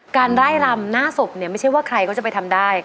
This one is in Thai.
การไล่รำหน้าศพเนี่ยไม่ใช่ว่าใครก็จะไปทำได้